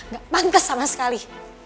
gak pantes sama sekali